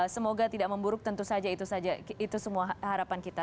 semoga tidak memburuk tentu saja itu semua harapan kita